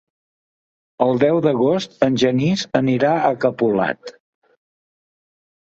El deu d'agost en Genís irà a Capolat.